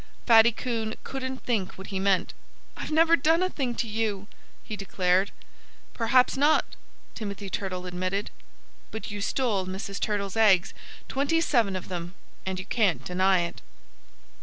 Fatty Coon couldn't think what he meant. "I've never done a thing to you," he declared. "Perhaps not!" Timothy Turtle admitted. "But you stole Mrs. Turtle's eggs twenty seven of them and you can't deny it."